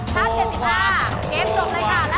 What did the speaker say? ถ้า๑๕โอเคค่ะ